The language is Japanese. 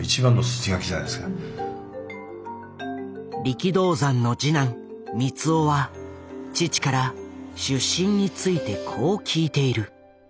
力道山の次男光雄は父から出身についてこう聞いている。